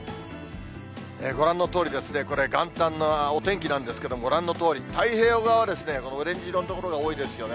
ご覧のとおり、これ、元旦のお天気なんですけど、ご覧のとおり、太平洋側はオレンジ色の所が多いですよね。